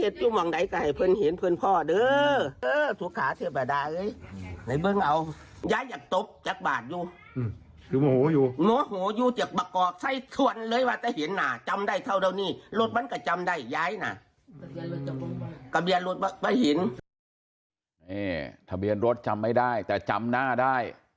นี่ทะเบียนรถจำไม่ได้แต่จำหน้าได้